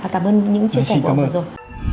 cảm ơn những chia sẻ của ông rồi